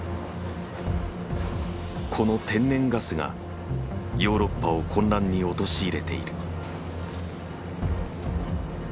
この天然ガスがヨーロッパを混乱に陥れている。